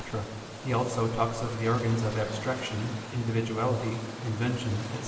He also talks of the organs of abstraction, individuality, invention, &c.